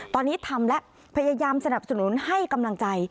ตอนนี้ทำแล้วพยายามสนับสนุนให้กำลังใจ